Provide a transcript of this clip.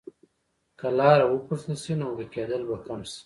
که لاره وپوښتل شي، نو ورکېدل به کم شي.